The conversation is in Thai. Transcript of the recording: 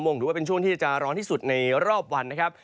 โมงถือว่าเป็นช่วงที่จะร้อนที่สุดในรอบวันนะครับ